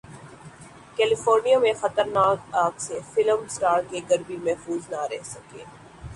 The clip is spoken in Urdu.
کیلیفورنیا میں خطرناک اگ سے فلم اسٹارز کے گھر بھی محفوظ نہ رہ سکے